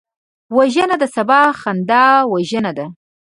وژنه د سبا خندا وژنه ده